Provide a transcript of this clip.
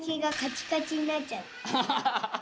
ハハハハッ！